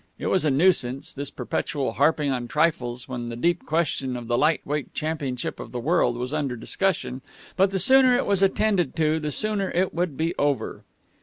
It was a nuisance, this perpetual harping on trifles when the deep question of the light weight championship of the world was under discussion, but the sooner it was attended to, the sooner it would be over.